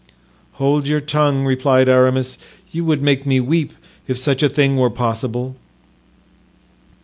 "Hold your tongue," replied Aramis; "you would make me weep, if such a thing were possible."